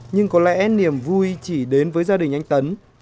nhưng có lẽ niềm vui chỉ đến với gia đình anh tấn